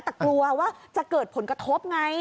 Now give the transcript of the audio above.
แต่กลัวว่าจะเกิดผลกระทบไง